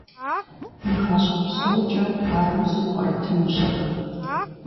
И гъащӀэ псокӀэ ар узу пкърытынущ абы…